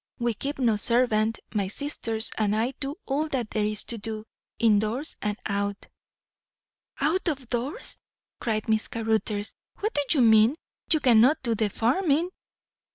We keep no servant; my sisters and I do all that there is to do, in doors and out." "Out of doors!" cried Miss Caruthers. "What do you mean? You cannot do the farming?"